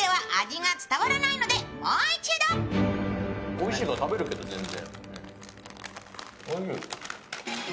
おいしいから食べるけど、全然。